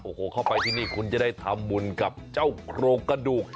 โอ้โหเข้าไปที่นี่คุณจะได้ทำบุญกับเจ้าโครงกระดูก